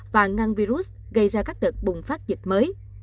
và ngăn virus gây ra các đợt bùng phát dịch mới